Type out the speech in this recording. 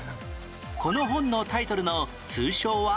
この本のタイトルの通称は？